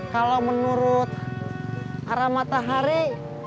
kalau menurut arah matahari